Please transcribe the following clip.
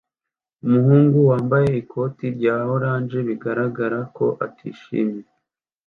Umuhungu wambaye ikoti rya orange bigaragara ko atishimye